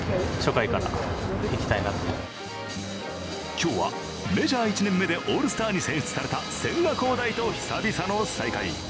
今日はメジャー１年目でオールスターに選出された千賀滉大と久々の再会。